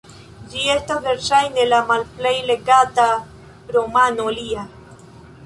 Ĝi estas verŝajne la malplej legata romano lia.